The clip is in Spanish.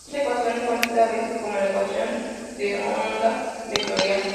Esta ecuación es conocida a veces como la ecuación de onda vectorial.